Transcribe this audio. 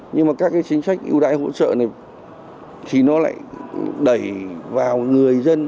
nhưng mà các chính sách ưu đãi hỗ trợ này thì nó lại đẩy vào người dân được hưởng